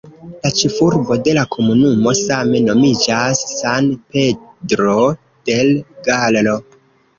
La ĉefurbo de la komunumo same nomiĝas "San Pedro del Gallo".